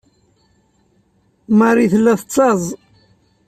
Marie tella tettaẓ.